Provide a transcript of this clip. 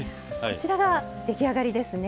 こちらが出来上がりですね。